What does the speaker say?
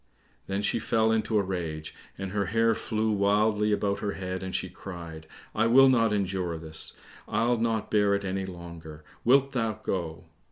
Then she fell into a rage, and her hair flew wildly about her head, and she cried, "I will not endure this, I'll not bear it any longer; wilt thou go?"